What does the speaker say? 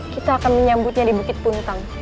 kita akan menyambutnya di bukit puntang